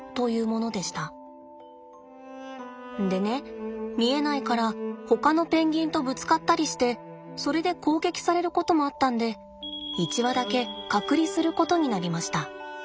でね見えないからほかのペンギンとぶつかったりしてそれで攻撃されることもあったんで１羽だけ隔離することになりました。